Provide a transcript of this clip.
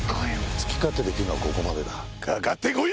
⁉好き勝手できるのはここまでだかかって来いや！